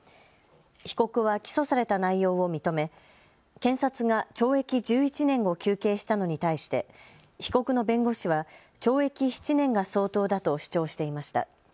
被告は起訴された内容を認め検察が懲役１１年を求刑したのに対して被告の弁護士は懲役７年が相当だと主張していました。